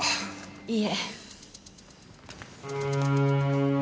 いいえ。